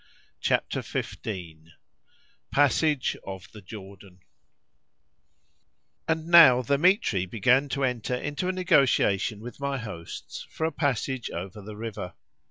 CHAPTER XV—PASSAGE OF THE JORDAN And now Dthemetri began to enter into a negotiation with my hosts for a passage over the river.